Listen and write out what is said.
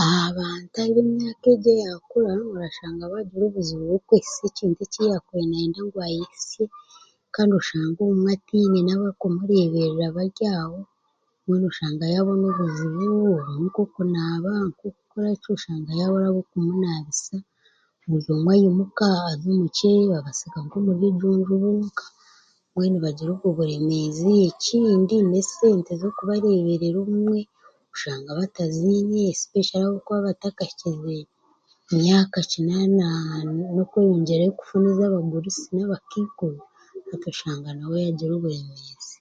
Aha bantu ab'emyaka egi eyakura orashanga baagira obuzibu bw'okwehisya ekintu eki yaakubaire nayenda ngu ayeyisye oshanga obumwe hataine n'abarikumureeberera abari aho mbwenu oshanga yaabonamu obuzibu obumwe nk'okunaaba nk'okukora ki oshanga yaabura ab'okumunaabiisa buri omwe aimuka aza omukyeye babasige omu deediruumu bonka mbwenu bagira obwo buremeezi ekindi n'esente z'okumureeberera obumwe oshanga bataziine esipeshare abakuba batakahikize myaka kinaana n'okweyongyerayo kufuna ez'abagurusi n'abakaikuru ashanga nawe yaagira oburemeezi